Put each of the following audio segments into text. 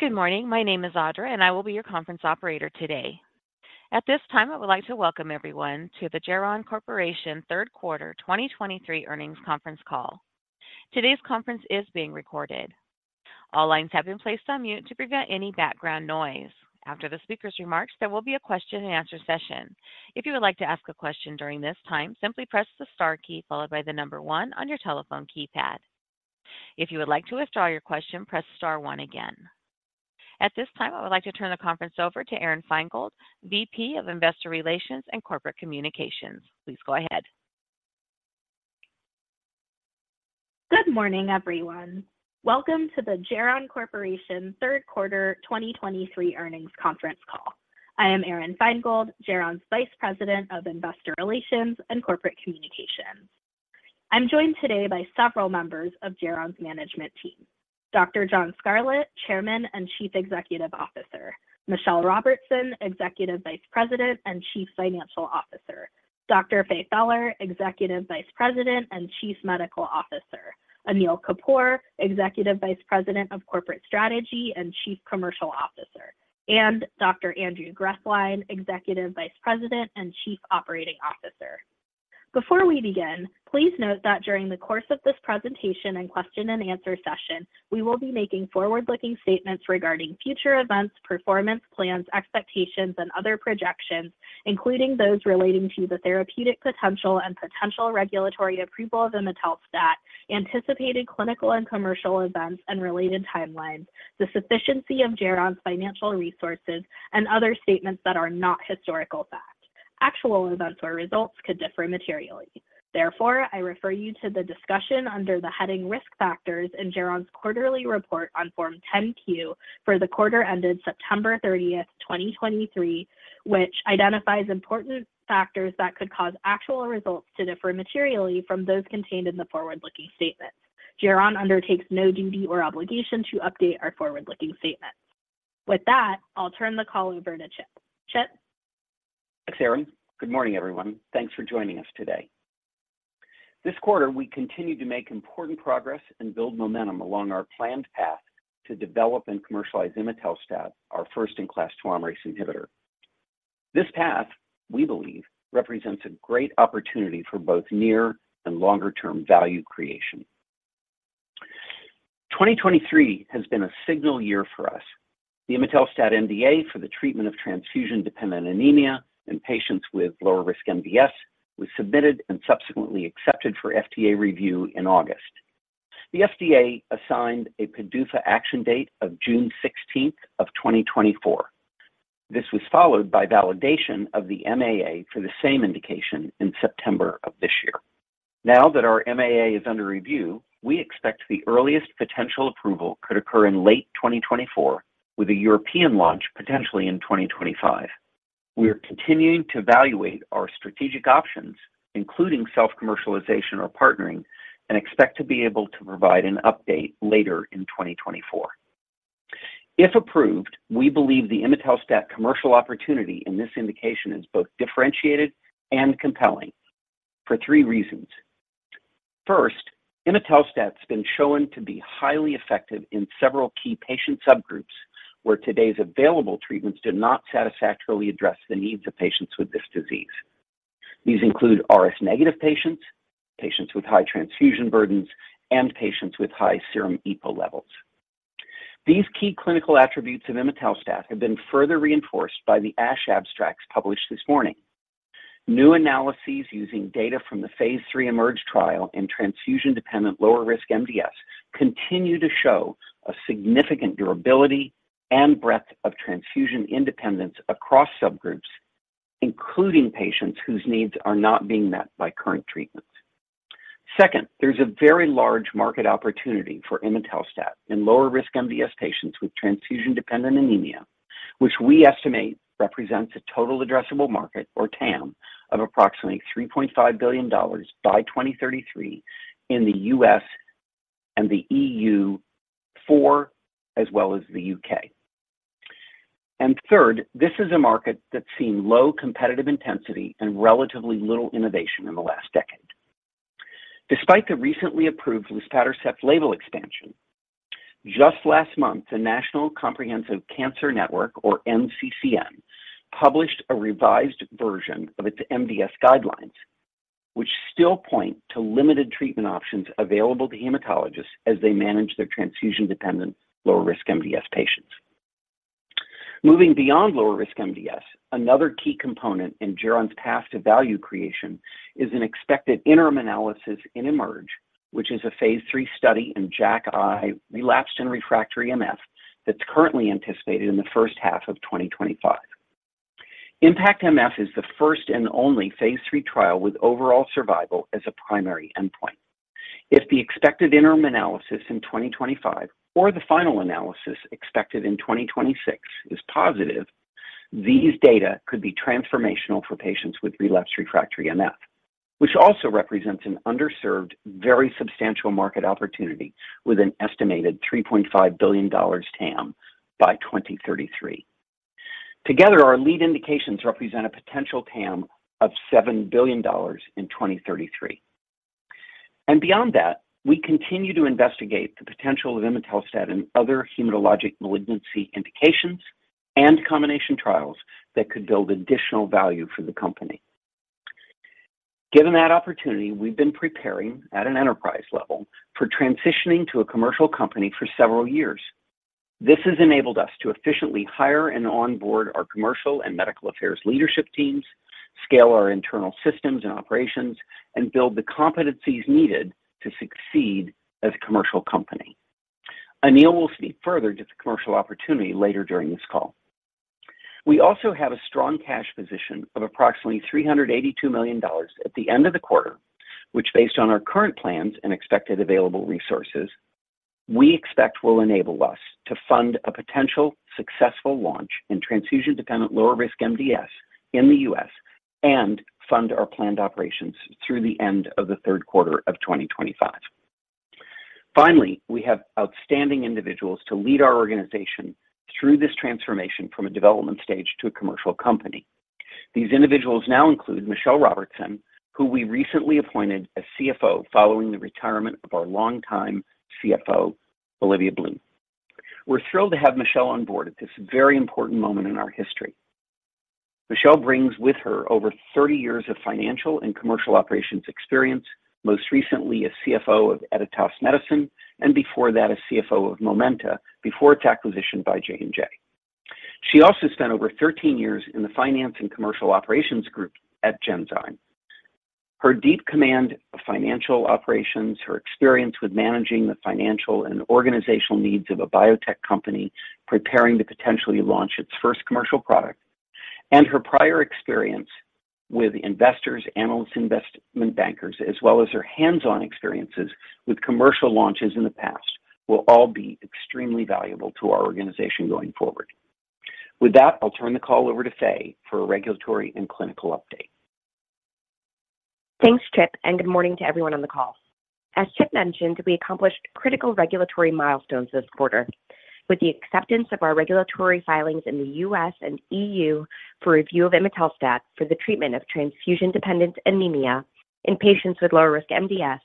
Good morning. My name is Audrey, and I will be your Conference Operator today. At this time, I would like to welcome everyone to the Geron Corporation Q3 2023 earnings conference call. Today's conference is being recorded. All lines have been placed on mute to prevent any background noise. After the speaker's remarks, there will be a question-and-answer session. If you would like to ask a question during this time, simply press the star key followed by the number 1 on your telephone keypad. If you would like to withdraw your question, press star 1 again. At this time, I would like to turn the conference over to Aron Feingold, VP of Investor Relations and Corporate Communications. Please go ahead. Good morning, Everyone. Welcome to the Geron Corporation Q3 2023 earnings conference call. I am Aron Feingold, Geron's Vice President of Investor Relations and Corporate Communications. I'm joined today by several members of Geron's management team: Dr. John Scarlett, Chairman and Chief Executive Officer; Michelle Robertson, Executive Vice President and Chief Financial Officer; Dr. Faye Feller, Executive Vice President and Chief Medical Officer; Anil Kapur, Executive Vice President of Corporate Strategy and Chief Commercial Officer; and Dr. Andrew Grethlein, Executive Vice President and Chief Operating Officer. Before we begin, please note that during the course of this presentation and question-and-answer session, we will be making forward-looking statements regarding future events, performance, plans, expectations, and other projections, including those relating to the therapeutic potential and potential regulatory approvals in Imetelstat, anticipated clinical and commercial events and related timelines, the sufficiency of Geron's financial resources, and other statements that are not historical fact. Actual events or results could differ materially. Therefore, I refer you to the discussion under the heading Risk Factors in Geron's quarterly report on Form 10-Q for the quarter ended September 30, 2023, which identifies important factors that could cause actual results to differ materially from those contained in the forward-looking statements. Geron undertakes no duty or obligation to update our forward-looking statements. With that, I'll turn the call over to Chip. Chip? Thanks, Aron. Good Morning, Everyone. Thanks for joining us today. This quarter, we continued to make important progress and build momentum along our planned path to develop and commercialize Imetelstat, our first-in-class Telomerase inhibitor. This path, we believe, represents a great opportunity for both near and longer-term value creation. 2023 has been a signal year for us. The Imetelstat NDA for the treatment of transfusion-dependent anemia in patients with lower-risk MDS was submitted and subsequently accepted for FDA review in August. The FDA assigned a PDUFA action date of 16th June of 2024. This was followed by validation of the MAA for the same indication in September of this year. Now that our MAA is under review, we expect the earliest potential approval could occur in late 2024, with a European launch potentially in 2025. We are continuing to evaluate our strategic options, including self-commercialization or partnering, and expect to be able to provide an update later in 2024. If approved, we believe the Imetelstat commercial opportunity in this indication is both differentiated and compelling for three reasons. First, Imetelstat has been shown to be highly effective in several key patient subgroups, where today's available treatments do not satisfactorily address the needs of patients with this disease. These include RS-negative patients, patients with high transfusion burdens, and patients with high serum EPO levels. These key clinical attributes of Imetelstat have been further reinforced by the ASH abstracts published this morning. New analyses using data from the phase III iMerge trial in transfusion-dependent lower-risk MDS continue to show a significant durability and breadth of transfusion independence across subgroups, including patients whose needs are not being met by current treatments. Second, there's a very large market opportunity for Imetelstat in lower-risk MDS patients with transfusion-dependent anemia, which we estimate represents a total addressable market or TAM of approximately $3.5 billion by 2033 in the U.S. and the EU4, as well as the U.K. And third, this is a market that's seen low competitive intensity and relatively little innovation in the last decade. Despite the recently approved Luspatercept label expansion, just last month, the National Comprehensive Cancer Network, or NCCN, published a revised version of its MDS guidelines, which still point to limited treatment options available to hematologists as they manage their transfusion-dependent lower-risk MDS patients. Moving beyond lower-risk MDS, another key component in Geron's path to value creation is an expected interim analysis in iMerge, which is a phase III study in JAKi relapsed and refractory MF that's currently anticipated in the H1 of 2025. IMpactMF is the first and only phase III trial with overall survival as a primary endpoint. If the expected interim analysis in 2025 or the final analysis expected in 2026 is positive, these data could be transformational for patients with relapsed refractory MF, which also represents an underserved, very substantial market opportunity with an estimated $3.5 billion TAM by 2033. Together, our lead indications represent a potential TAM of $7 billion in 2033. And beyond that, we continue to investigate the potential of Imetelstat in other hematologic malignancy indications and combination trials that could build additional value for the company. Given that opportunity, we've been preparing at an enterprise level for transitioning to a commercial company for several years. This has enabled us to efficiently hire and onboard our commercial and medical affairs leadership teams, scale our internal systems and operations, and build the competencies needed to succeed as a commercial company. Anil will speak further to the commercial opportunity later during this call. We also have a strong cash position of approximately $382 million at the end of the quarter, which, based on our current plans and expected available resources, we expect will enable us to fund a potential successful launch in transfusion-dependent lower-risk MDS in the U.S. and fund our planned operations through the end of the Q3 of 2025. Finally, we have outstanding individuals to lead our organization through this transformation from a development stage to a commercial company. These individuals now include Michelle Robertson, who we recently appointed as CFO following the retirement of our longtime CFO, Olivia Bloom. We're thrilled to have Michelle on board at this very important moment in our history. Michelle brings with her over 30 years of financial and commercial operations experience, most recently as CFO of Editas Medicine, and before that, as CFO of Momenta, before its acquisition by J&J. She also spent over 13 years in the finance and commercial operations group at Genzyme. Her deep command of financial operations, her experience with managing the financial and organizational needs of a Biotech company preparing to potentially launch its first commercial product, and her prior experience with Investors, Analysts, Investment Bankers, as well as her hands-on experiences with commercial launches in the past, will all be extremely valuable to our organization going forward. With that, I'll turn the call over to Faye for a regulatory and clinical update. Thanks, Chip, and Good Morning to everyone on the call. As Chip mentioned, we accomplished critical regulatory milestones this quarter with the acceptance of our regulatory filings in the U.S. and E.U. for review of Imetelstat for the treatment of transfusion-dependent anemia in patients with lower-risk MDS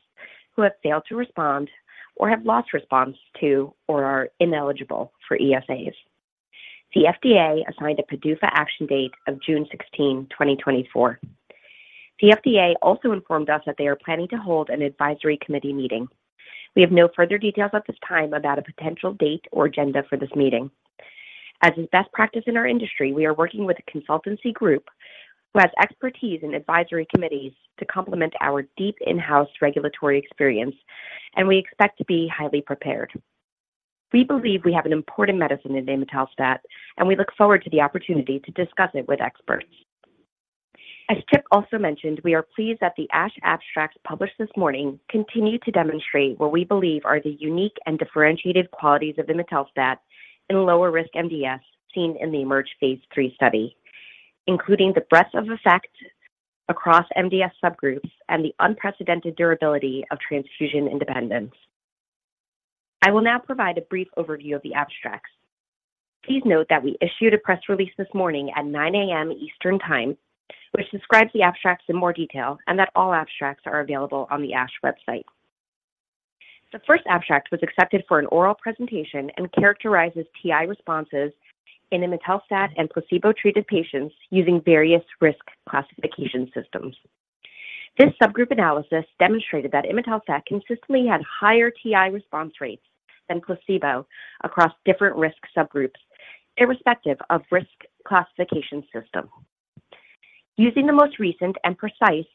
who have failed to respond or have lost response to, or are ineligible for ESAs. The FDA assigned a PDUFA action date of June 16, 2024. The FDA also informed us that they are planning to hold an advisory committee meeting. We have no further details at this time about a potential date or agenda for this meeting. As is best practice in our industry, we are working with a consultancy group who has expertise in advisory committees to complement our deep in-house regulatory experience, and we expect to be highly prepared. We believe we have an important medicine in Imetelstat, and we look forward to the opportunity to discuss it with experts. As Chip also mentioned, we are pleased that the ASH abstracts published this morning continue to demonstrate what we believe are the unique and differentiated qualities of Imetelstat in lower-risk MDS seen in the iMerge Phase III study, including the breadth of effect across MDS subgroups and the unprecedented durability of transfusion independence. I will now provide a brief overview of the abstracts. Please note that we issued a press release this morning at 9:00 A.M. Eastern Time, which describes the abstracts in more detail, and that all abstracts are available on the ASH website. The first abstract was accepted for an oral presentation and characterizes TI responses in Imetelstat and placebo-treated patients using various risk classification systems. This subgroup analysis demonstrated that Imetelstat consistently had higher TI response rates than placebo across different risk subgroups, irrespective of risk classification system. Using the most recent and precise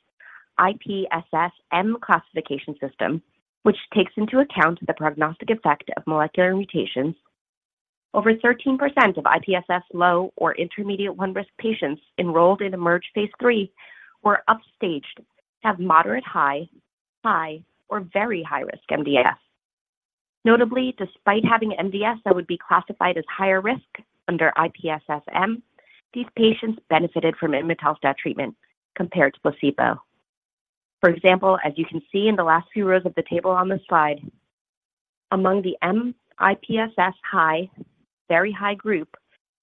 IPSS-M classification system, which takes into account the prognostic effect of molecular mutations, over 13% of IPSS low- or intermediate-1-risk patients enrolled in iMerge were upstaged to have moderate-high, high, or very high-risk MDS. Notably, despite having MDS that would be classified as higher risk under IPSS-M, these patients benefited from Imetelstat treatment compared to placebo. For example, as you can see in the last few rows of the table on this slide, among the IPSS-M high, very high group,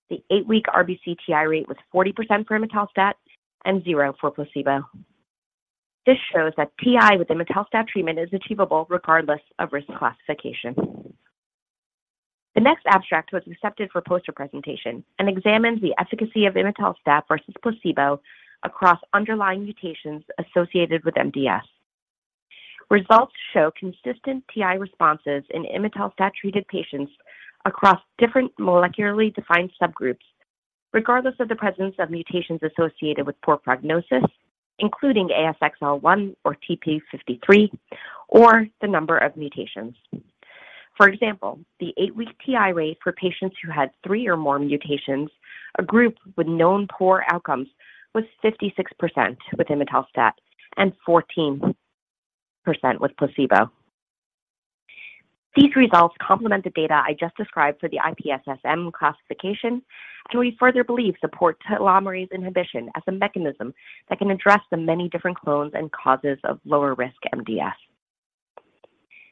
the 8-week RBC TI rate was 40% for Imetelstat and 0 for placebo. This shows that TI with Imetelstat treatment is achievable regardless of risk classification. The next abstract was accepted for poster presentation and examines the efficacy of Imetelstat versus placebo across underlying mutations associated with MDS. Results show consistent TI responses in Imetelstat-treated patients across different molecularly defined subgroups, regardless of the presence of mutations associated with poor prognosis, including ASXL1 or TP53, or the number of mutations. For example, the 8-week TI rate for patients who had three or more mutations, a group with known poor outcomes, was 56% with Imetelstat and 14% with placebo. These results complement the data I just described for the IPSS-M classification, and we further believe support telomerase inhibition as a mechanism that can address the many different clones and causes of lower-risk MDS....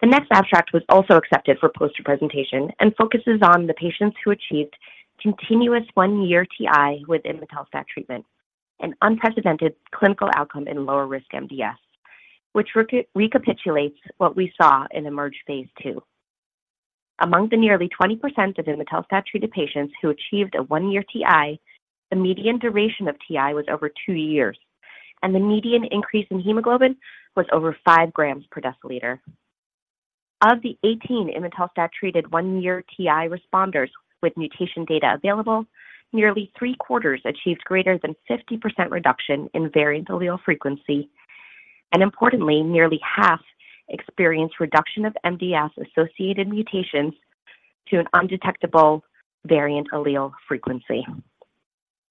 The next abstract was also accepted for poster presentation and focuses on the patients who achieved continuous one-year TI with Imetelstat treatment, an unprecedented clinical outcome in lower-risk MDS, which recapitulates what we saw in the iMerge Phase II. Among the nearly 20% of Imetelstat-treated patients who achieved a one-year TI, the median duration of TI was over two years, and the median increase in hemoglobin was over five grams per deciliter. Of the 18 Imetelstat-treated one-year TI responders with mutation data available, nearly three-quarters achieved greater than 50% reduction in variant allele frequency, and importantly, nearly half experienced reduction of MDS-associated mutations to an undetectable variant allele frequency.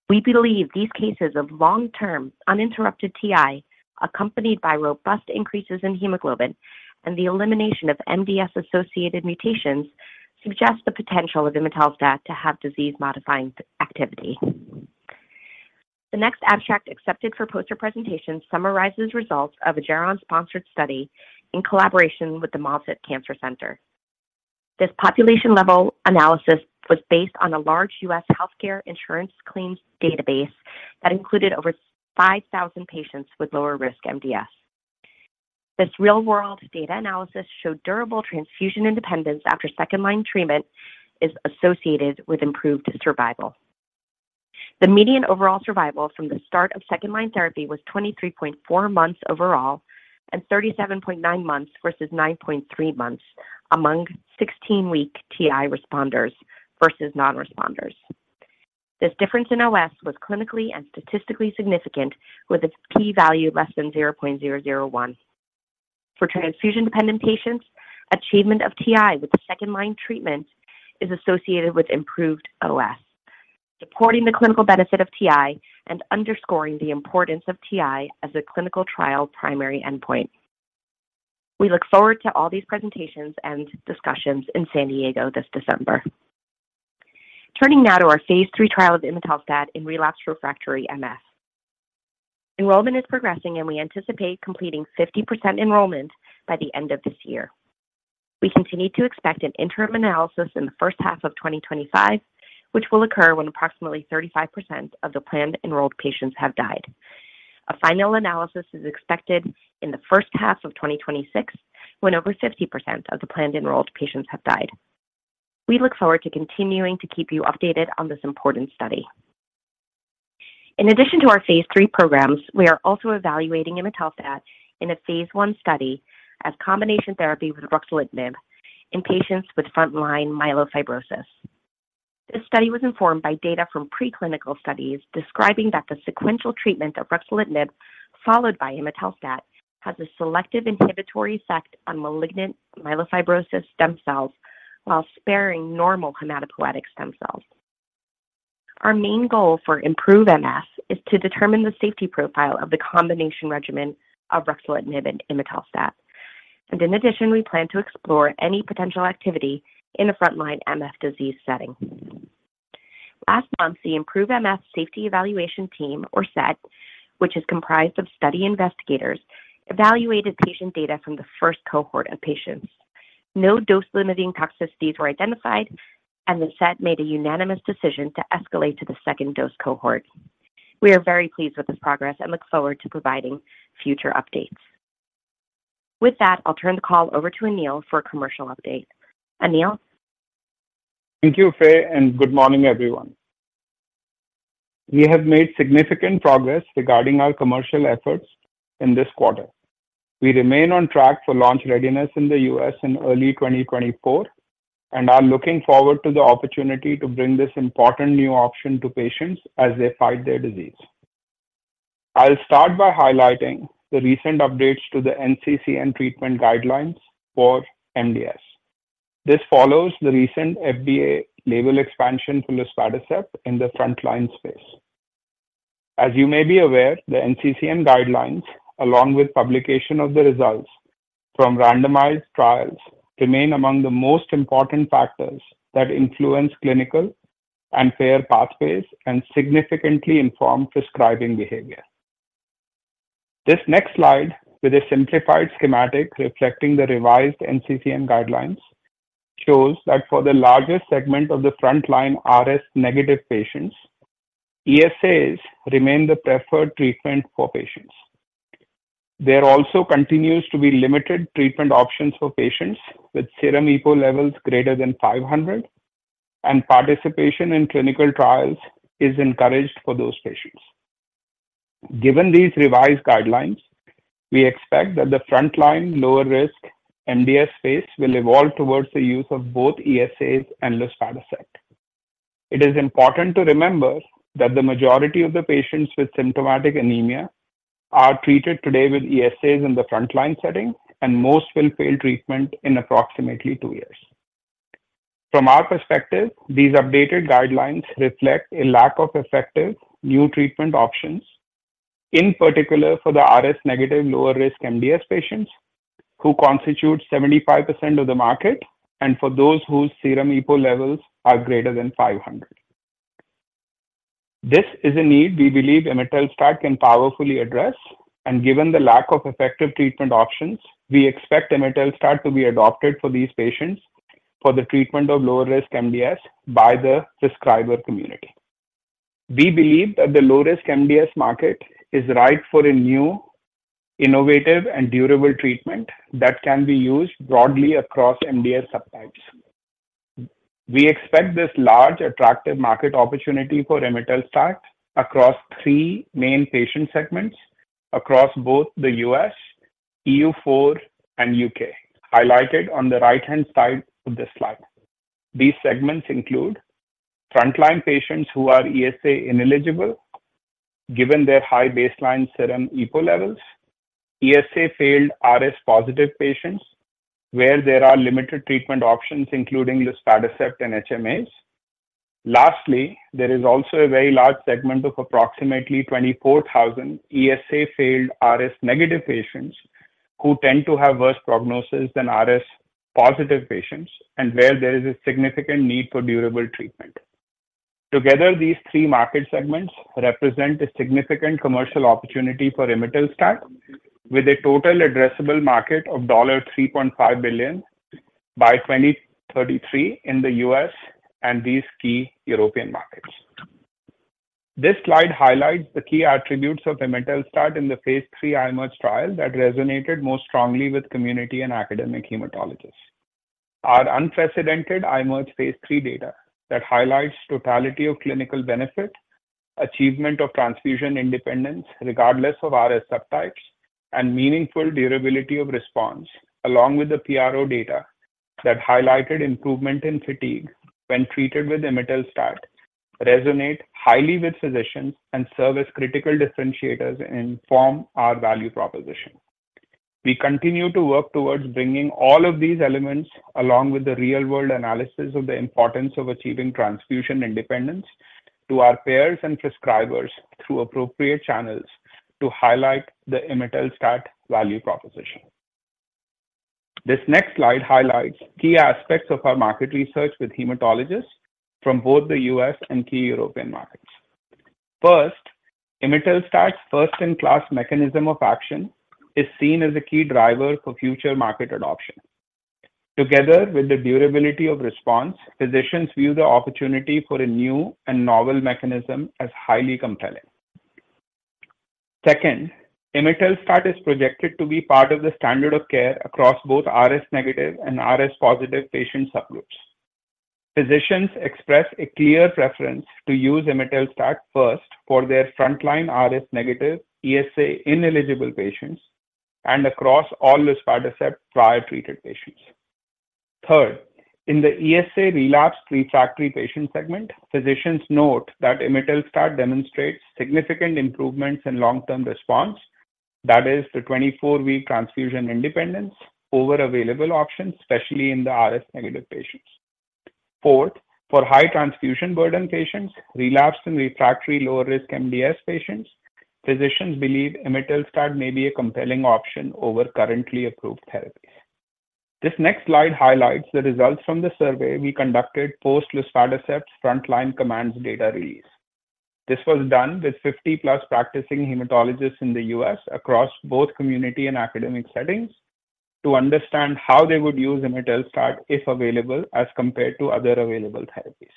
We believe these cases of long-term, uninterrupted TI, accompanied by robust increases in hemoglobin and the elimination of MDS-associated mutations, suggest the potential of Imetelstat to have disease-modifying activity. The next abstract accepted for poster presentation summarizes results of a Geron-sponsored study in collaboration with the Moffitt Cancer Center. This population-level analysis was based on a large US healthcare insurance claims database that included over 5,000 patients with lower-risk MDS. This real-world data analysis showed durable transfusion independence after second-line treatment is associated with improved survival. The median overall survival from the start of second-line therapy was 23.4 months overall and 37.9 months versus 9.3 months among 16-week TI responders versus non-responders. This difference in OS was clinically and statistically significant, with a P value less than 0.001. For transfusion-dependent patients, achievement of TI with second-line treatment is associated with improved OS, supporting the clinical benefit of TI and underscoring the importance of TI as a clinical trial primary endpoint. We look forward to all these presentations and discussions in San Diego this December. Turning now to our phase III trial of Imetelstat in relapsed refractory MF. Enrollment is progressing, and we anticipate completing 50% enrollment by the end of this year. We continue to expect an interim analysis in the H1 of 2025, which will occur when approximately 35% of the planned enrolled patients have died. A final analysis is expected in the first half of 2026, when over 50% of the planned enrolled patients have died. We look forward to continuing to keep you updated on this important study. In addition to our phase III programs, we are also evaluating Imetelstat in a phase 1 study as combination therapy with Ruxolitinib in patients with frontline Myelofibrosis. This study was informed by data from preclinical studies describing that the sequential treatment of ruxolitinib, followed by imetelstat, has a selective inhibitory effect on malignant myelofibrosis stem cells while sparing normal hematopoietic stem cells. Our main goal for IMproveMF is to determine the safety profile of the combination regimen of Ruxolitinib and Imetelstat. In addition, we plan to explore any potential activity in a frontline MF disease setting. Last month, the IMproveMF Safety Evaluation Team, or SET, which is comprised of study investigators, evaluated patient data from the first cohort of patients. No dose-limiting toxicities were identified, and the SET made a unanimous decision to escalate to the second dose cohort. We are very pleased with this progress and look forward to providing future updates. With that, I'll turn the call over to Anil for a commercial update. Anil? Thank you, Faye, and Good morning, Everyone. We have made significant progress regarding our commercial efforts in this quarter. We remain on track for launch readiness in the U.S. in early 2024 and are looking forward to the opportunity to bring this important new option to patients as they fight their disease. I'll start by highlighting the recent updates to the NCCN treatment guidelines for MDS. This follows the recent FDA label expansion for Luspatercept in the frontline space. As you may be aware, the NCCN guidelines, along with publication of the results from randomized trials, remain among the most important factors that influence clinical and payer pathways and significantly inform prescribing behavior. This next slide, with a simplified schematic reflecting the revised NCCN guidelines, shows that for the largest segment of the frontline RS-negative patients, ESAs remain the preferred treatment for patients. There also continues to be limited treatment options for patients with serum EPO levels greater than 500, and participation in clinical trials is encouraged for those patients. Given these revised guidelines, we expect that the frontline lower-risk MDS space will evolve towards the use of both ESAs and Luspatercept. It is important to remember that the majority of the patients with symptomatic anemia are treated today with ESAs in the frontline setting, and most will fail treatment in approximately two years. From our perspective, these updated guidelines reflect a lack of effective new treatment options, in particular for the RS-negative, lower-risk MDS patients who constitute 75% of the market and for those whose serum EPO levels are greater than 500.... This is a need we believe Imetelstat can powerfully address, and given the lack of effective treatment options, we expect Imetelstat to be adopted for these patients for the treatment of low-risk MDS by the prescriber community. We believe that the low-risk MDS market is ripe for a new, innovative, and durable treatment that can be used broadly across MDS subtypes. We expect this large, attractive market opportunity for Imetelstat across three main patient segments, across both the U.S., EU4, and U.K., highlighted on the right-hand side of this slide. These segments include frontline patients who are ESA-ineligible, given their high baseline serum EPO levels, ESA-failed RS-positive patients, where there are limited treatment options, including Luspatercept and HMAs. Lastly, there is also a very large segment of approximately 24,000 ESA-failed RS-negative patients who tend to have worse prognosis than RS-positive patients, and where there is a significant need for durable treatment. Together, these three market segments represent a significant commercial opportunity for Imetelstat, with a total addressable market of $3.5 billion by 2033 in the U.S. and these key European markets. This slide highlights the key attributes of Imetelstat in the phase III iMerge trial that resonated most strongly with community and academic hematologists. Our unprecedented iMerge phase III data that highlights totality of clinical benefit, achievement of transfusion independence regardless of RS subtypes, and meaningful durability of response, along with the PRO data that highlighted improvement in fatigue when treated with Imetelstat, resonate highly with physicians and serve as critical differentiators and form our value proposition. We continue to work towards bringing all of these elements, along with the real-world analysis of the importance of achieving transfusion independence, to our payers and prescribers through appropriate channels to highlight the Imetelstat value proposition. This next slide highlights key aspects of our market research with hematologists from both the U.S. and key European markets. First, Imetelstat's first-in-class mechanism of action is seen as a key driver for future market adoption. Together with the durability of response, physicians view the opportunity for a new and novel mechanism as highly compelling. Second, Imetelstat is projected to be part of the standard of care across both RS-negative and RS-positive patient subgroups. Physicians express a clear preference to use Imetelstat first for their frontline RS-negative ESA-ineligible patients and across all Luspatercept prior-treated patients. Third, in the ESA relapsed/refractory patient segment, physicians note that Imetelstat demonstrates significant improvements in long-term response. That is the 24-week transfusion independence over available options, especially in the RS-negative patients. Fourth, for high transfusion burden patients, relapsed and refractory lower-risk MDS patients, physicians believe Imetelstat may be a compelling option over currently approved therapies. This next slide highlights the results from the survey we conducted post-luspatercept's frontline COMMAND data release. This was done with 50-plus practicing hematologists in the U.S., across both community and academic settings, to understand how they would use Imetelstat, if available, as compared to other available therapies.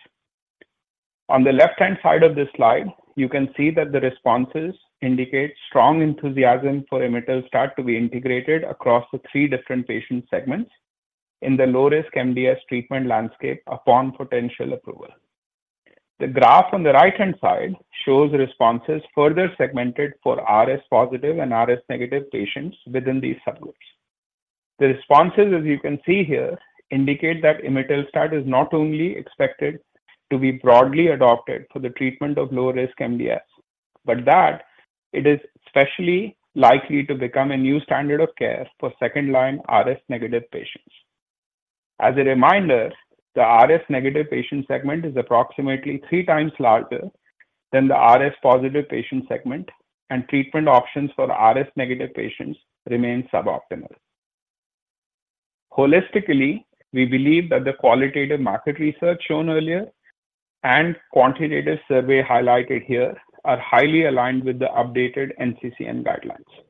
On the left-hand side of this slide, you can see that the responses indicate strong enthusiasm for Imetelstat to be integrated across the three different patient segments in the low-risk MDS treatment landscape upon potential approval. The graph on the right-hand side shows responses further segmented for RS-positive and RS-negative patients within these subgroups. The responses, as you can see here, indicate that Imetelstat is not only expected to be broadly adopted for the treatment of low-risk MDS, but that it is especially likely to become a new standard of care for second-line RS-negative patients. As a reminder, the RS-negative patient segment is approximately three times larger than the RS-positive patient segment, and treatment options for RS-negative patients remain suboptimal. Holistically, we believe that the qualitative market research shown earlier and quantitative survey highlighted here are highly aligned with the updated NCCN guidelines.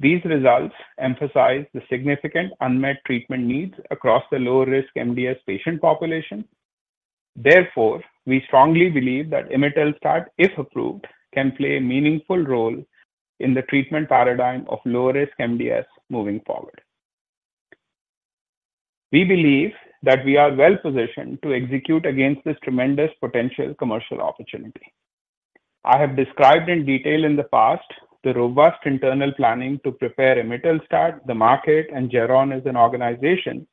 These results emphasize the significant unmet treatment needs across the low-risk MDS patient population. Therefore, we strongly believe that Imetelstat, if approved, can play a meaningful role in the treatment paradigm of low-risk MDS moving forward. We believe that we are well positioned to execute against this tremendous potential commercial opportunity. I have described in detail in the past the robust internal planning to prepare Imetelstat, the market, and Geron as an organization,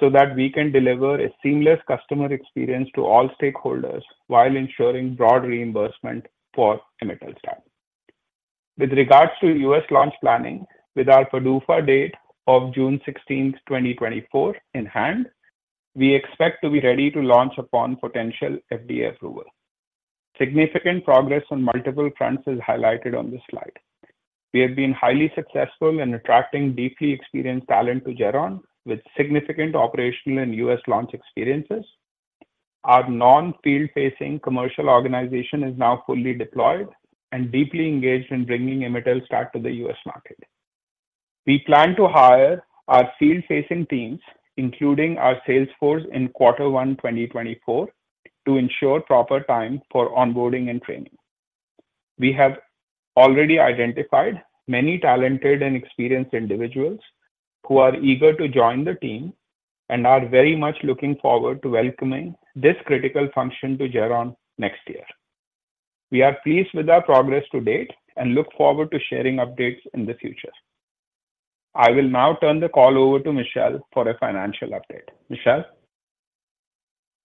so that we can deliver a seamless customer experience to all stakeholders while ensuring broad reimbursement for Imetelstat. With regards to U.S. launch planning, with our PDUFA date of June 16th, 2024 in hand, we expect to be ready to launch upon potential FDA approval. Significant progress on multiple fronts is highlighted on this slide. We have been highly successful in attracting deeply experienced talent to Geron, with significant operational and U.S. launch experiences. Our non-field facing commercial organization is now fully deployed and deeply engaged in bringing Imetelstat to the U.S. market. We plan to hire our field-facing teams, including our sales force, in quarter one, 2024, to ensure proper time for onboarding and training. We have already identified many talented and experienced individuals who are eager to join the team and are very much looking forward to welcoming this critical function to Geron next year. We are pleased with our progress to date and look forward to sharing updates in the future. I will now turn the call over to Michelle for a financial update. Michelle?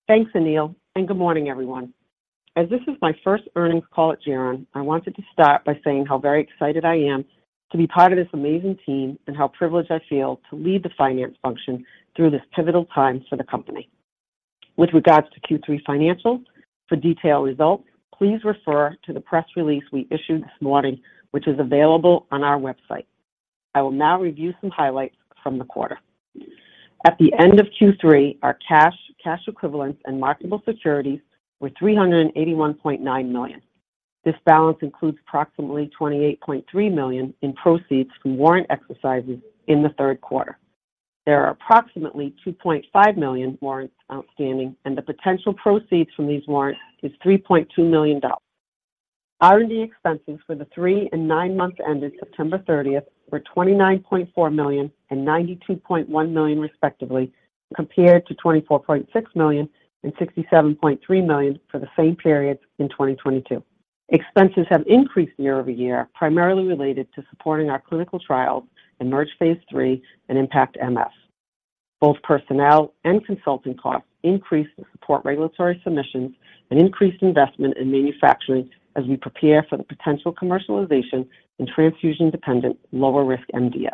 Thanks, Anil, and Good Morning, everyone. As this is my first earnings call at Geron, I wanted to start by saying how very excited I am to be part of this amazing team, and how privileged I feel to lead the finance function through this pivotal time for the company. With regards to Q3 financials, for detailed results, please refer to the press release we issued this morning, which is available on our website. I will now review some highlights from the quarter. At the end of Q3, our cash, cash equivalents, and marketable securities were $381.9 million. This balance includes approximately $28.3 million in proceeds from warrant exercises in the Q3. There are approximately 2.5 million warrants outstanding, and the potential proceeds from these warrants is $3.2 million. R&D expenses for the three and nine months ended September 30, were $29.4 million and $92.1 million respectively, compared to $24.6 million and $67.3 million for the same periods in 2022. Expenses have increased year-over-year, primarily related to supporting our clinical trials in iMerge phase III and IMpactMF. Both personnel and consulting costs increased to support regulatory submissions and increased investment in manufacturing as we prepare for the potential commercialization in transfusion-dependent, lower-risk MDS.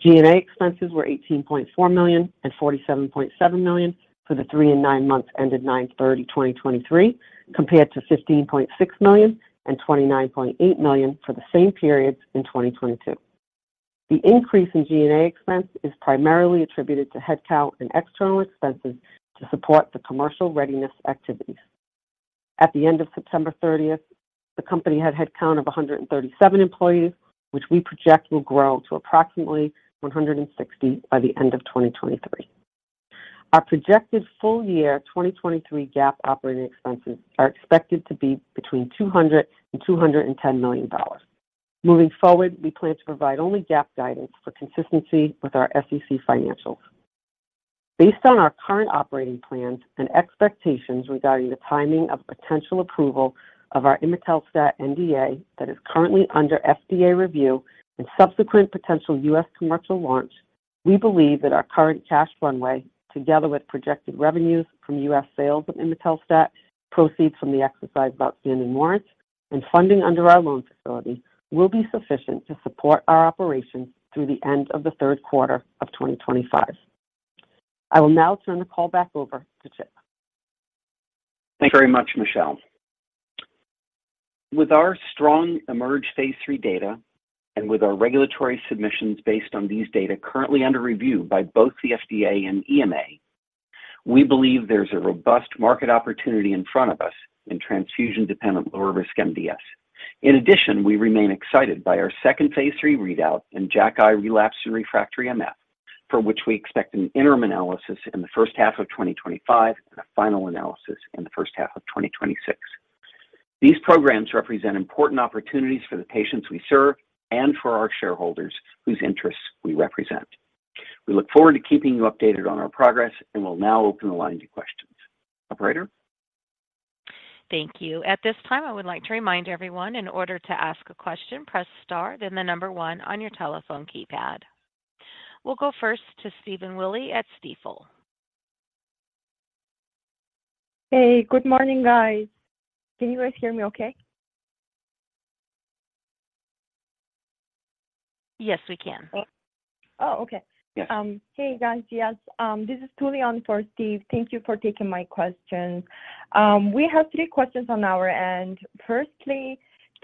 G&A expenses were $18.4 million and $47.7 million for the three and nine months ended September 30, 2023, compared to $15.6 million and $29.8 million for the same periods in 2022. The increase in G&A expense is primarily attributed to headcount and external expenses to support the commercial readiness activities. At the end of September 30, the company had headcount of 137 employees, which we project will grow to approximately 160 by the end of 2023. Our projected full year 2023 GAAP operating expenses are expected to be between $200 million and $210 million. Moving forward, we plan to provide only GAAP guidance for consistency with our SEC financials. Based on our current operating plans and expectations regarding the timing of potential approval of our Imetelstat NDA that is currently under FDA review and subsequent potential U.S. commercial launch, we believe that our current cash runway, together with projected revenues from U.S. sales of Imetelstat, proceeds from the exercise of outstanding warrants and funding under our loan facility, will be sufficient to support our operations through the end of the third quarter of 2025. I will now turn the call back over to Chip. Thank you very much, Michelle. With our strong iMerge phase III data and with our regulatory submissions based on these data currently under review by both the FDA and EMA, we believe there's a robust market opportunity in front of us in transfusion-dependent, lower-risk MDS. In addition, we remain excited by our second phase III readout and JAKi relapsed and refractory MF, for which we expect an interim analysis in the H1 of 2025 and a final analysis in the H1 of 2026. These programs represent important opportunities for the patients we serve and for our shareholders whose interests we represent. We look forward to keeping you updated on our progress, and we'll now open the line to questions. Operator? Thank you. At this time, I would like to remind everyone, in order to ask a question, press star, then the number one on your telephone keypad. We'll go first to Stephen Willey at Stifel. Hey, Good Morning, guys. Can you guys hear me okay? Yes, we can. Oh, okay. Yes. Hey, guys. Yes, this is Tuli on for Steve. Thank you for taking my questions. We have three questions on our end. Firstly,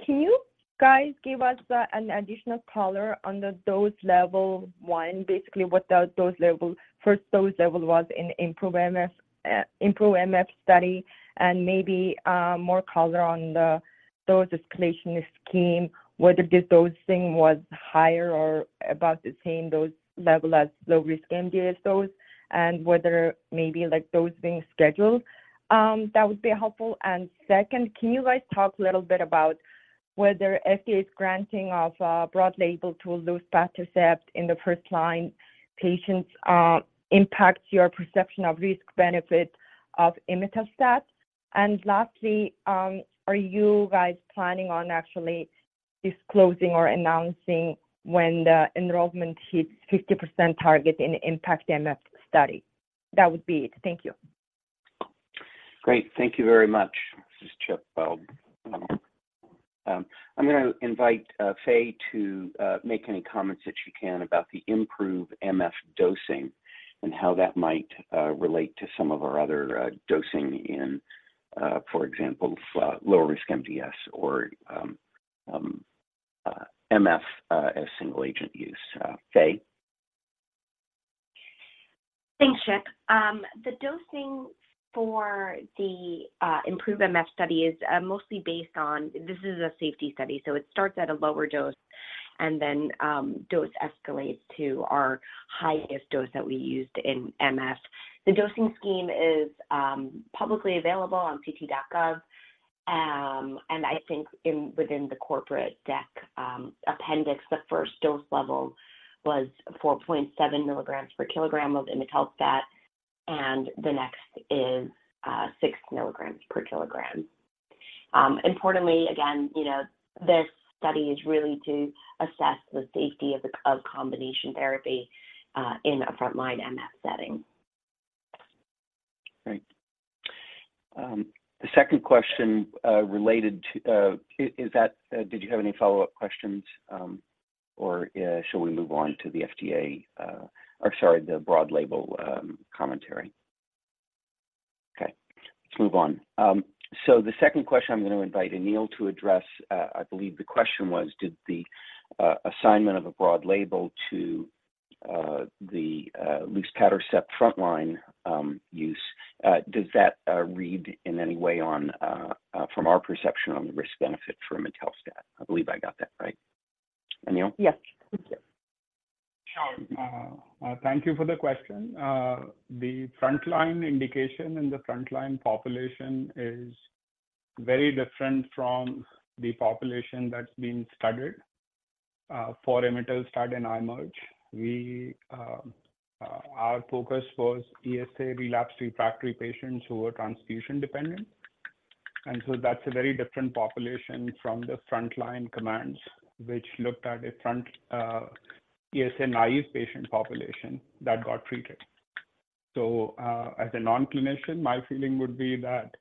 can you guys give us an additional color on the dose level one? Basically, what the dose level, first dose level was in IMproveMF, IMproveMF study, and maybe more color on the dose escalation scheme, whether the dosing was higher or about the same dose level as low-risk MDS dose, and whether maybe like dosing schedules. That would be helpful. And second, can you guys talk a little bit about whether FDA's granting of broad label to Luspatercept in the first-line patients impacts your perception of risk/benefit of Imetelstat? And lastly, are you guys planning on actually disclosing or announcing when the enrollment hits 50% target in the IMpactMF study? That would be it. Thank you. Great. Thank you very much. This is Chip. I'm gonna invite Faye to make any comments that she can about the IMproveMF dosing and how that might relate to some of our other dosing in, for example, lower risk MDS or MF, as single agent use. Faye? Thanks, Chip. The dosing for the IMproveMF study is mostly based on this is a safety study, so it starts at a lower dose, and then dose escalates to our highest dose that we used in MF. The dosing scheme is publicly available on ct.gov, and I think within the corporate deck appendix, the first dose level was 4.7 milligrams per kilogram of Imetelstat, and the next is 6 milligrams per kilogram. Importantly, again, you know, this study is really to assess the safety of the combination therapy in a frontline MF setting. Great. The second question related to: is that did you have any follow-up questions, or shall we move on to the FDA, or sorry, the broad label commentary? Okay, let's move on. So the second question, I'm gonna invite Anil to address. I believe the question was: did the assignment of a broad label to the Luspatercept frontline use does that read in any way on from our perception on the risk-benefit for Imetelstat? I believe I got that right. Anil? Yes. Thank you. Sure. Thank you for the question. The frontline indication and the frontline population is very different from the population that's been studied for Imetelstat and iMerge. Our focus was ESA relapsed refractory patients who were transfusion dependent, and so that's a very different population from the frontline COMMANDS, which looked at a front ESA-naive patient population that got treated. So, as a non-clinician, my feeling would be that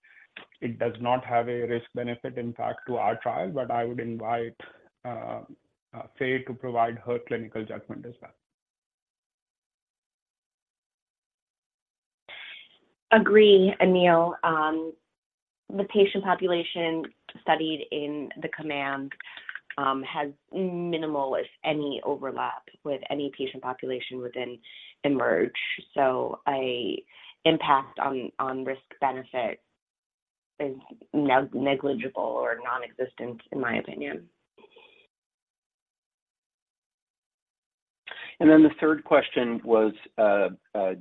it does not have a risk-benefit impact to our trial, but I would invite Faye to provide her clinical judgment as well. Agree, Anil. The patient population studied in the COMMAND has minimal, if any, overlap with any patient population within iMerge, so an impact on risk-benefit is negligible or non-existent, in my opinion. And then the third question was: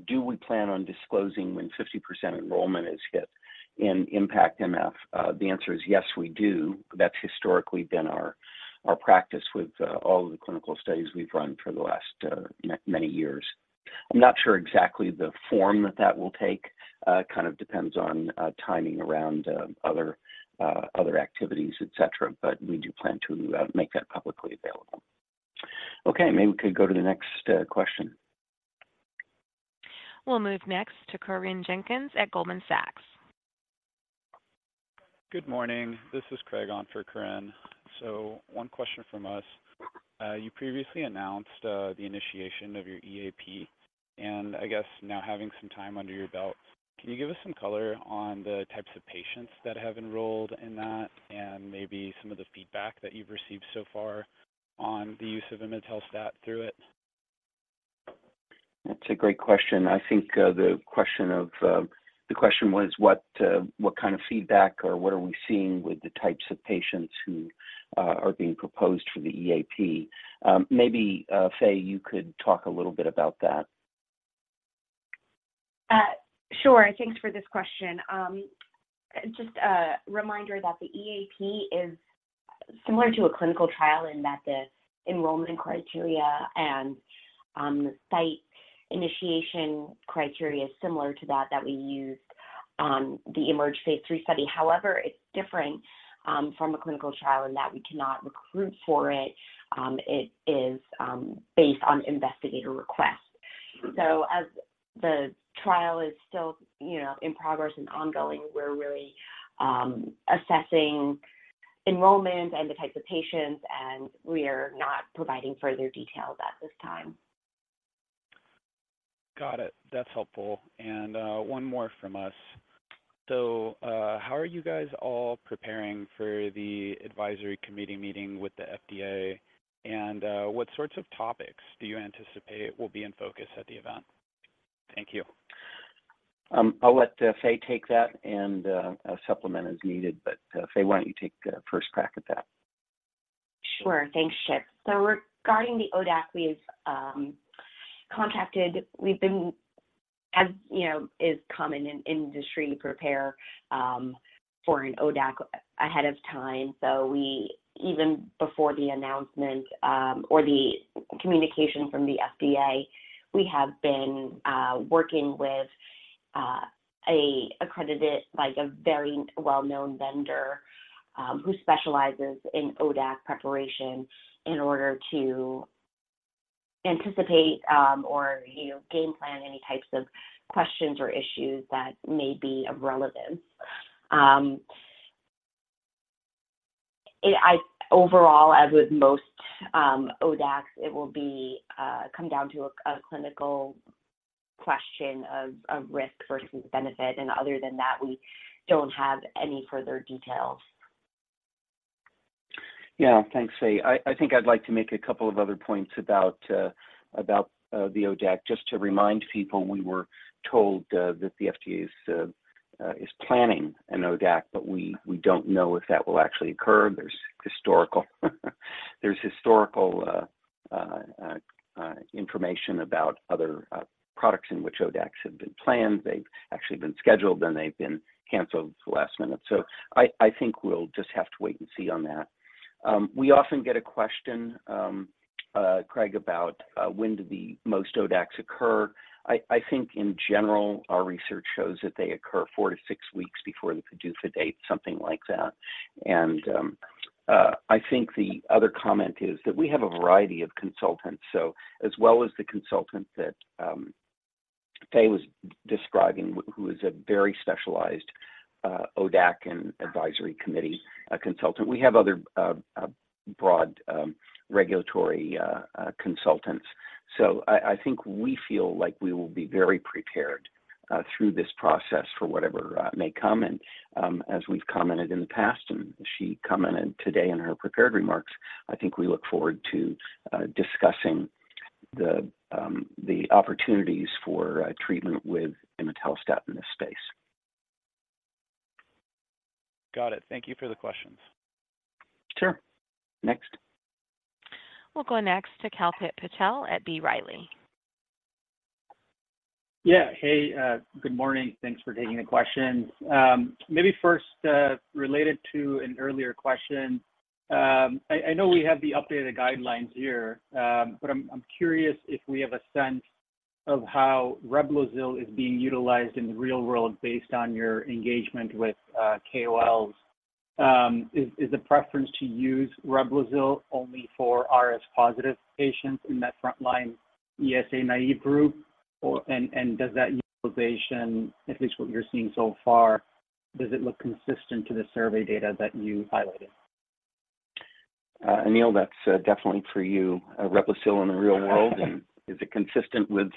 Do we plan on disclosing when 50% enrollment is hit in IMpactMF? The answer is yes, we do. That's historically been our practice with all of the clinical studies we've run for the last many years. I'm not sure exactly the form that that will take. It kind of depends on timing around other activities, etc, but we do plan to make that publicly available. Okay, maybe we could go to the next question. We'll move next to Corinne Jenkins at Goldman Sachs. Good morning. This is Craig on for Corrin. So one question from us. You previously announced the initiation of your EAP, and I guess now having some time under your belt, can you give us some color on the types of patients that have enrolled in that and maybe some of the feedback that you've received so far on the use of Imetelstat through it? That's a great question. I think, the question was what, what kind of feedback or what are we seeing with the types of patients who are being proposed for the EAP? Maybe, Faye, you could talk a little bit about that. Sure. Thanks for this question. Just a reminder that the EAP is similar to a clinical trial in that the enrollment criteria and the site initiation criteria is similar to that, that we used on the iMerge Phase III study. However, it's different from a clinical trial in that we cannot recruit for it. It is based on investigator request. So as the trial is still, you know, in progress and ongoing, we're really assessing enrollment and the types of patients, and we are not providing further details at this time. Got it. That's helpful. One more from us. How are you guys all preparing for the advisory committee meeting with the FDA? And, what sorts of topics do you anticipate will be in focus at the event? Thank you. I'll let Faye take that and I'll supplement as needed. But Faye, why don't you take first crack at that? Sure. Thanks, Chip. So regarding the ODAC, we've been, as you know, it's common in industry to prepare for an ODAC ahead of time. So we, even before the announcement or the communication from the FDA, we have been working with an accredited, like, a very well-known vendor who specializes in ODAC preparation in order to anticipate or, you know, game plan any types of questions or issues that may be of relevance. Overall, as with most ODACs, it will come down to a clinical question of risk versus benefit, and other than that, we don't have any further details. Yeah, thanks, Faye. I think I'd like to make a couple of other points about the ODAC, just to remind people, we were told that the FDA is planning an ODAC, but we don't know if that will actually occur. There's historical information about other products in which ODACs have been planned. They've actually been scheduled, and they've been canceled at the last minute. So I think we'll just have to wait and see on that. We often get a question, Craig, about when do the most ODACs occur? I think in general, our research shows that they occur 4-6 weeks before the PDUFA date, something like that. I think the other comment is that we have a variety of consultants, so as well as the consultant that Faye was describing, who is a very specialized ODAC and advisory committee consultant, we have other broad regulatory consultants. So I think we feel like we will be very prepared through this process for whatever may come. And as we've commented in the past, and she commented today in her prepared remarks, I think we look forward to discussing the opportunities for a treatment with Imetelstat in this space. Got it. Thank you for the questions. Sure. Next? We'll go next to Kalpit Patel at B. Riley. Yeah. Hey, Good Morning. Thanks for taking the questions. Maybe first, related to an earlier question, I know we have the updated guidelines here, but I'm curious if we have a sense of how Reblozyl is being utilized in the real world based on your engagement with KOLs. Is the preference to use Reblozyl only for RS-positive patients in that frontline ESA-naive group? Or, and does that utilization, at least what you're seeing so far, look consistent to the survey data that you highlighted? Anil, that's definitely for you, Reblozyl in the real world, and is it consistent with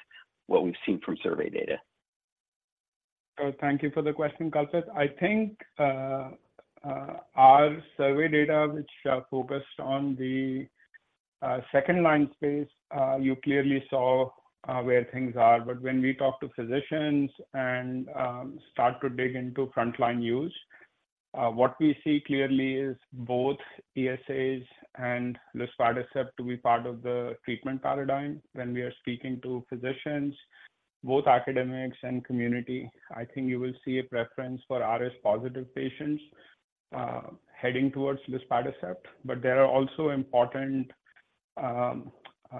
what we've seen from survey data? Thank you for the question, Kalpit. I think our survey data, which focused on the second-line space, you clearly saw where things are. But when we talk to physicians and start to dig into frontline use, what we see clearly is both ESAs and Luspatercept to be part of the treatment paradigm. When we are speaking to physicians, both academics and community, I think you will see a preference for RS-positive patients heading towards Luspatercept. But there are also important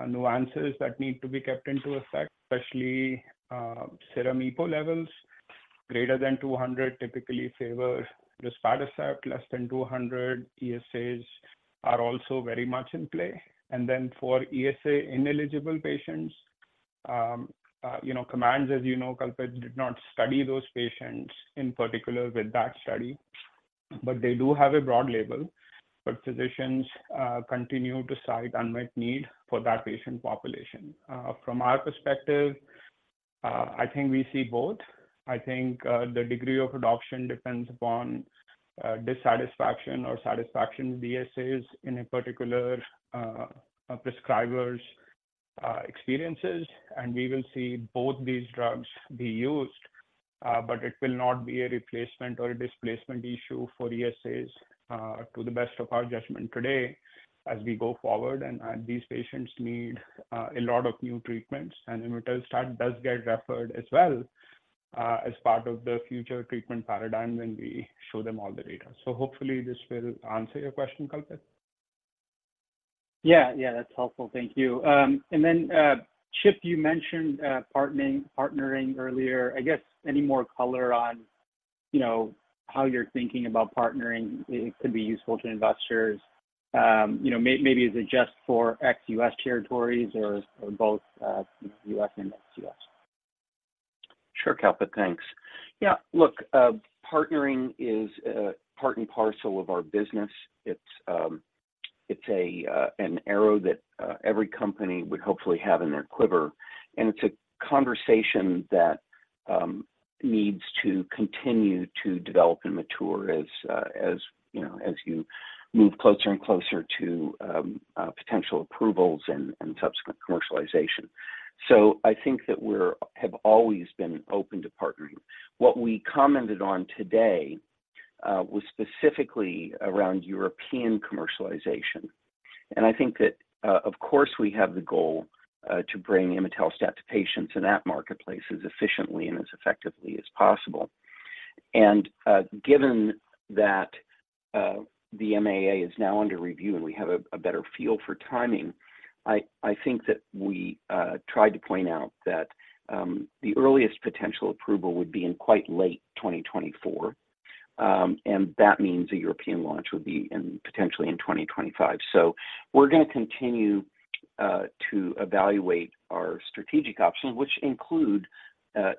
nuances that need to be kept into effect, especially serum EPO levels greater than 200 typically favor Luspatercept, less than 200, ESAs are also very much in play. And then for ESA-ineligible patients, you know, Kalpit, did not study those patients, in particular with that study, but they do have a broad label. But physicians continue to cite unmet need for that patient population. From our perspective, I think we see both. I think the degree of adoption depends upon dissatisfaction or satisfaction with ESAs in a particular prescriber's experiences, and we will see both these drugs be used, but it will not be a replacement or a displacement issue for ESAs, to the best of our judgment today as we go forward. And these patients need a lot of new treatments, and Imetelstat does get referred as well, as part of the future treatment paradigm when we show them all the data. Hopefully, this will answer your question, Kalpit. Yeah. Yeah, that's helpful. Thank you. And then, Chip, you mentioned partnering earlier. I guess any more color on, you know, how you're thinking about partnering, it could be useful to investors? You know, maybe is it just for ex-US territories or both US and ex-US? Sure, Kalpit. Thanks. Yeah, look, partnering is part and parcel of our business. It's, it's a, an arrow that every company would hopefully have in their quiver, and it's a conversation that needs to continue to develop and mature as, as, you know, as you move closer and closer to potential approvals and subsequent commercialization. So I think that we have always been open to partnering. What we commented on today was specifically around European commercialization, and I think that, of course, we have the goal to bring Imetelstat to patients in that marketplace as efficiently and as effectively as possible. Given that the MAA is now under review, and we have a better feel for timing, I think that we tried to point out that the earliest potential approval would be in quite late 2024. And that means a European launch would be in, potentially in 2025. So we're going to continue to evaluate our strategic options, which include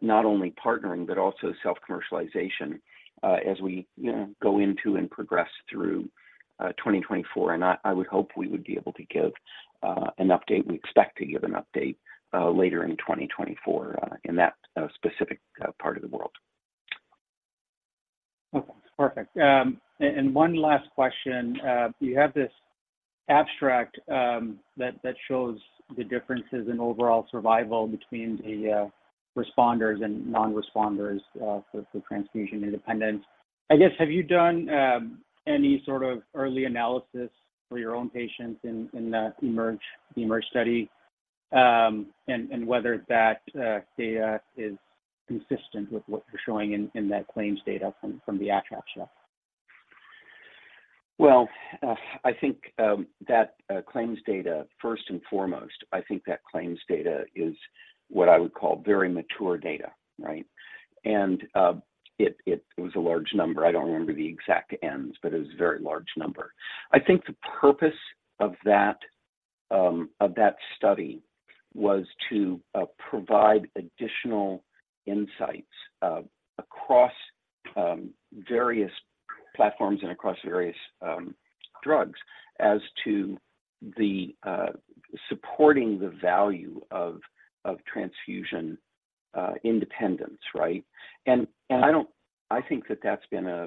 not only partnering but also self-commercialization, as we, you know, go into and progress through 2024. And I would hope we would be able to give an update. We expect to give an update later in 2024, in that specific part of the world. Okay, perfect. One last question. You have this abstract that shows the differences in overall survival between the responders and non-responders for transfusion independence. I guess, have you done any sort of early analysis for your own patients in the iMerge study, and whether that data is consistent with what you're showing in that claims data from the abstract show? Well, I think that claims data, first and foremost, I think that claims data is what I would call very mature data, right? And, it was a large number. I don't remember the exact ends, but it was a very large number. I think the purpose of that study was to provide additional insights across various platforms and across various drugs as to supporting the value of transfusion independence, right? And I don't—I think that that's been a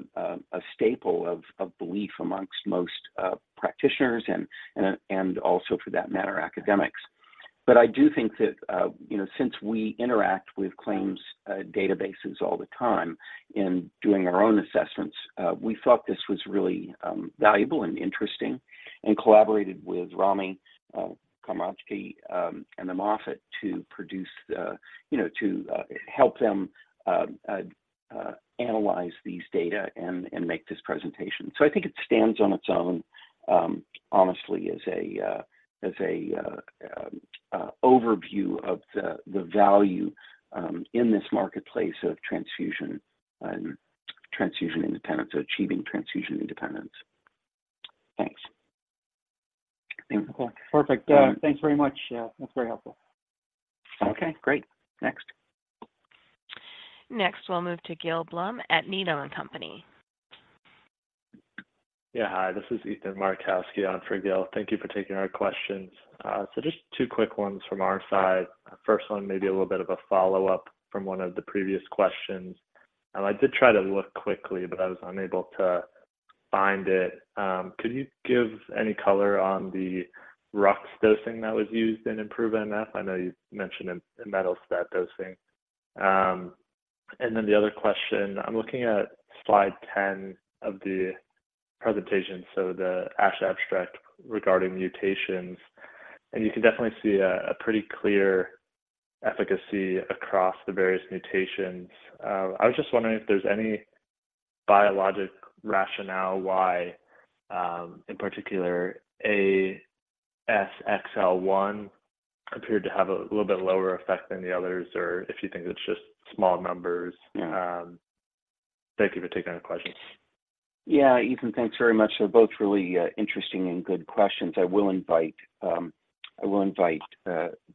staple of belief amongst most practitioners and also, for that matter, academics. But I do think that, you know, since we interact with claims databases all the time in doing our own assessments, we thought this was really valuable and interesting, and collaborated with Rami Komrokji, and the Moffitt to produce, you know, to help them analyze these data and make this presentation. So I think it stands on its own, honestly, as a overview of the value in this marketplace of transfusion and transfusion independence, so achieving transfusion independence. Thanks. Okay, perfect. Um- Thanks very much. Yeah, that's very helpful. Okay, great. Next. Next, we'll move to Gil Blum at Needham & Company. Yeah, hi, this is Ethan Markowski on for Gil. Thank you for taking our questions. So just two quick ones from our side. First one, maybe a little bit of a follow-up from one of the previous questions. I did try to look quickly, but I was unable to find it. Could you give any color on the Rux dosing that was used in IMproveMF? I know you mentioned in, in Imetelstat dosing. And then the other question, I'm looking at slide 10 of the presentation, so the ASH abstract regarding mutations, and you can definitely see a pretty clear efficacy across the various mutations. I was just wondering if there's any biologic rationale why, in particular, ASXL1 appeared to have a little bit lower effect than the others, or if you think it's just small numbers? Yeah. Thank you for taking our questions. Yeah. Ethan, thanks very much. They're both really interesting and good questions. I will invite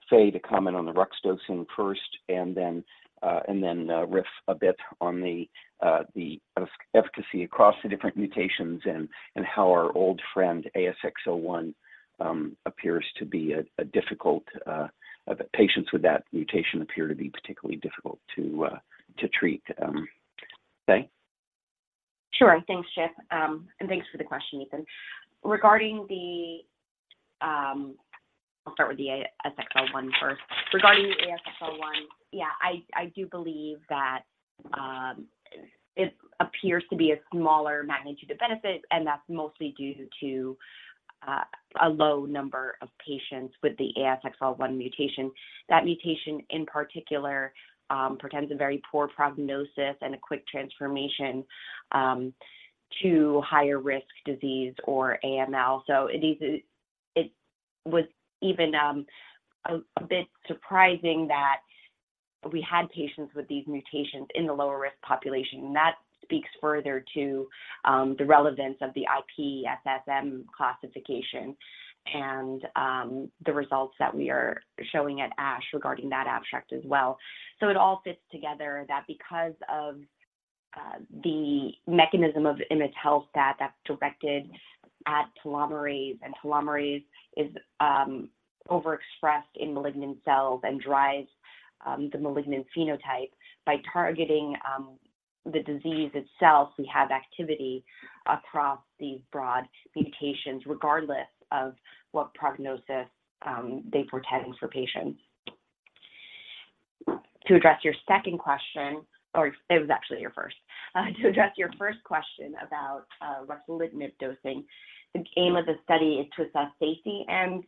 Faye to comment on the Rux dosing first, and then riff a bit on the efficacy across the different mutations and how our old friend, ASXL1, appears to be a difficult patients with that mutation appear to be particularly difficult to treat. Faye? Sure. Thanks, Jeff. And thanks for the question, Ethan. Regarding the, I'll start with the ASXL1 first. Regarding the ASXL1, yeah, I do believe that it appears to be a smaller magnitude of benefit, and that's mostly due to a low number of patients with the ASXL1 mutation. That mutation, in particular, portends a very poor prognosis and a quick transformation to higher risk disease or AML. So it is, it was even a bit surprising that we had patients with these mutations in the lower risk population. And that speaks further to the relevance of the IPSS-M classification and the results that we are showing at ASH regarding that abstract as well. So it all fits together that because of the mechanism of Imetelstat that's directed at telomerase, and telomerase is overexpressed in malignant cells and drives the malignant phenotype. By targeting the disease itself, we have activity across the broad mutations, regardless of what prognosis they portend for patients. To address your second question, or it was actually your first. To address your first question about Ruxolitinib dosing, the aim of the study is to assess safety and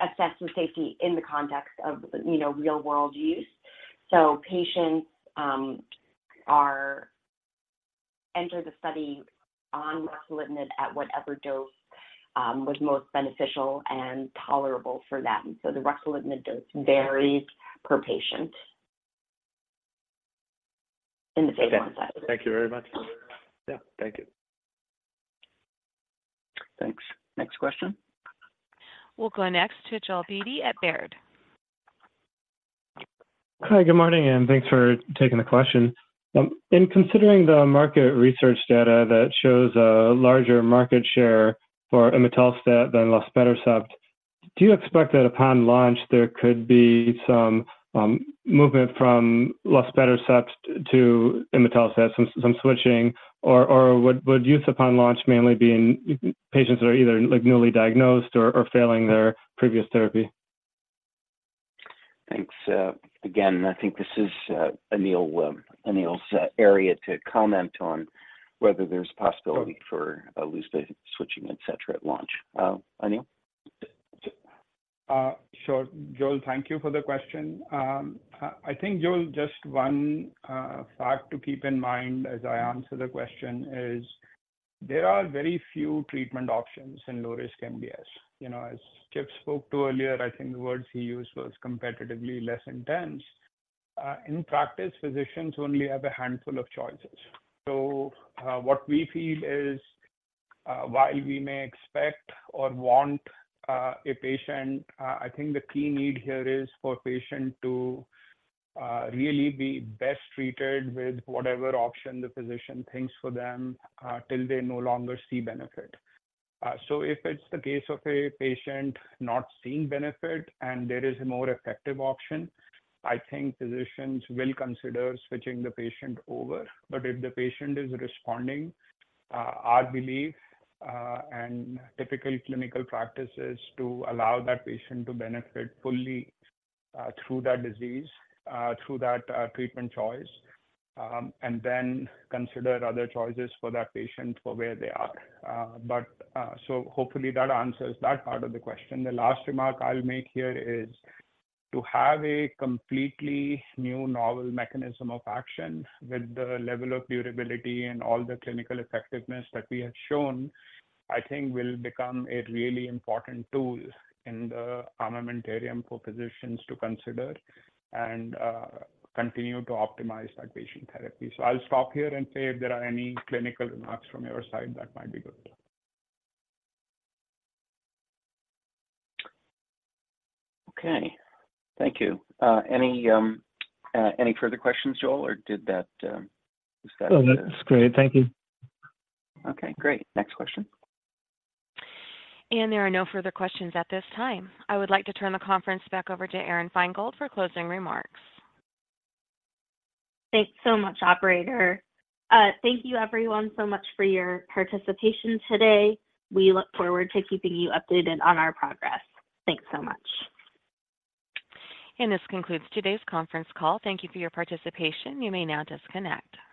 assess the safety in the context of, you know, real-world use. So patients enter the study on Ruxolitinib at whatever dose was most beneficial and tolerable for them. So the Ruxolitinib dose varies per patient in the phase one study. Okay. Thank you very much. Yeah, thank you. Thanks. Next question? We'll go next to Joel Beatty at Baird. Hi, Good Morning, and thanks for taking the question. In considering the market research data that shows a larger market share for Imetelstat than Luspatercept... Do you expect that upon launch, there could be some movement from Luspatercept to Imetelstat, some switching, or would use upon launch mainly be in patients that are either like newly diagnosed or failing their previous therapy? Thanks. Again, I think this is Anil's area to comment on whether there's possibility for loose switching, ext, at launch. Anil? Sure. Joel, thank you for the question. I think, Joel, just one fact to keep in mind as I answer the question is there are very few treatment options in low-risk MDS. You know, as Chip spoke to earlier, I think the words he used was competitively less intense. In practice, physicians only have a handful of choices. So, what we feel is, while we may expect or want a patient, I think the key need here is for patient to really be best treated with whatever option the physician thinks for them, till they no longer see benefit. So if it's the case of a patient not seeing benefit and there is a more effective option, I think physicians will consider switching the patient over. But if the patient is responding, our belief, and typical clinical practice is to allow that patient to benefit fully, through that disease, through that, treatment choice, and then consider other choices for that patient for where they are. But, so hopefully that answers that part of the question. The last remark I'll make here is to have a completely new novel mechanism of action with the level of durability and all the clinical effectiveness that we have shown, I think will become a really important tool in the armamentarium for physicians to consider and, continue to optimize that patient therapy. So I'll stop here and say if there are any clinical remarks from your side, that might be good. Okay. Thank you. Any further questions, Joel, or did that, is that- No, that's great. Thank you. Okay, great. Next question. There are no further questions at this time. I would like to turn the conference back over to Erin Feingold for closing remarks. Thanks so much, Operator. Thank you everyone so much for your participation today. We look forward to keeping you updated on our progress. Thanks so much. This concludes today's conference call. Thank you for your participation. You may now disconnect.